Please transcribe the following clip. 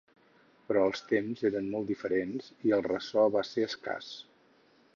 Però els temps eren molt diferents i el ressò va ser escàs.